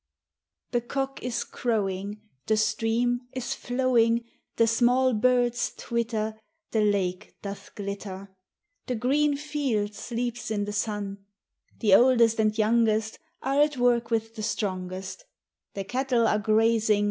The cock is crowing, The stream is flowing, The small birds twitter, The lake doth glitter, The green field sleeps in the sun ; The oldest and youngest Are at work with the strongest; The cattle are grazing.